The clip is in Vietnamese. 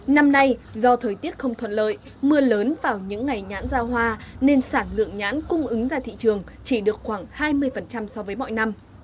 năm nay do thời tiết không thuận lợi mưa lớn vào những ngày nhãn ra hoa nên sản lượng nhãn cung ứng ra thị trường chỉ được khoảng hai mươi so với mọi năm